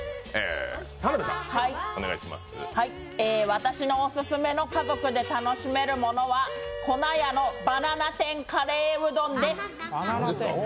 私のオススメの家族で楽しめるものは古奈屋のバナナ天カレーうどんです。